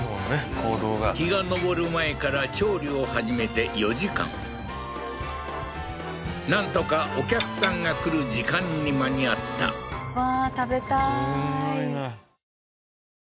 行動が日が昇る前から調理を始めて４時間なんとかお客さんが来る時間に間に合ったわあー